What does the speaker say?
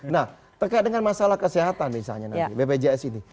nah terkait dengan masalah kesehatan misalnya nanti bpjs ini